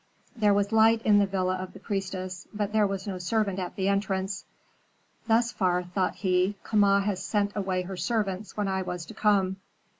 There was light in the villa of the priestess, but there was no servant at the entrance. "Thus far," thought he, "Kama has sent away her servants when I was to come.